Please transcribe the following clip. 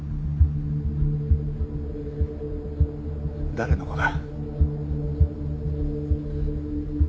誰の子だ？